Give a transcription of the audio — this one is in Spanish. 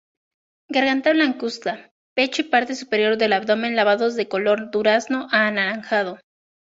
Garganta blancuzca; pecho y parte superior del abdomen lavados de color durazno a anaranjado.